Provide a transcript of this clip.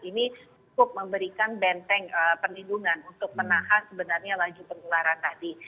ini cukup memberikan benteng perlindungan untuk menahan sebenarnya laju penularan tadi